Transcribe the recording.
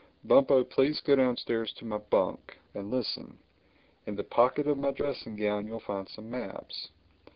Bumpo, please go downstairs to my bunk; and listen: in the pocket of my dressing gown you'll find some maps.